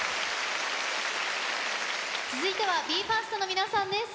続いてはＢＥ：ＦＩＲＳＴの皆さんです！